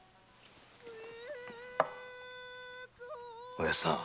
おやっさん